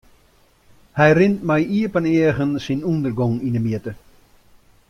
Hy rint mei iepen eagen syn ûndergong yn 'e mjitte.